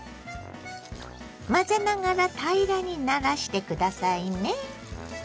混ぜながら平らにならして下さいね。